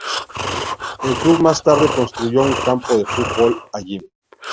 El club más tarde construyó un campo de fútbol allí.